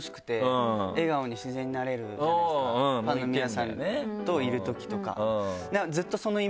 ファンの皆さんといるときとか。